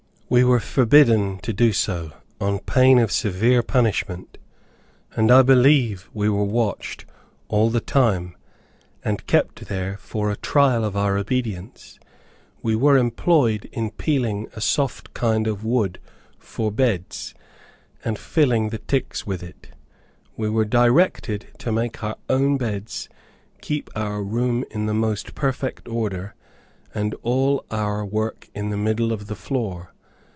We were forbidden to do so, on pain of severe punishment; and I believe we were watched all the time, and kept there, for a trial of our obedience. We were employed in peeling a soft kind of wood for beds, and filling the ticks with it. We were directed to make our own beds, keep our room in the most perfect order, and all our work in the middle of the floor.